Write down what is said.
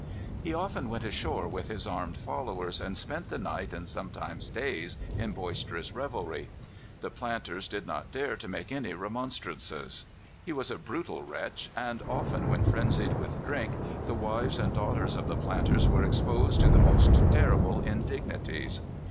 He often went ashore with his armed followers, and spent the night and sometimes days in boisterous revelry. The planters did not dare to make any remonstrances. He was a brutal wretch, and often, when frenzied with drink, the wives and daughters of the planters were exposed to the most terrible indignities.